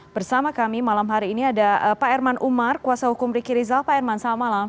bersama kami malam hari ini ada pak herman umar kuasa hukum riki rizal pak herman selamat malam